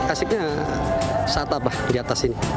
asiknya saat apa di atas ini